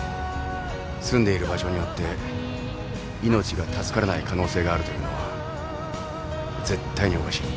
住んでいる場所によって命が助からない可能性があるというのは絶対におかしい。